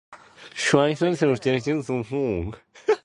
周不時俾外族入侵